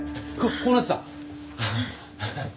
こうなってた。